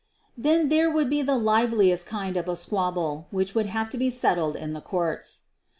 Then there would be the liveliest kind of a squabble, which would have to be settled in the courts.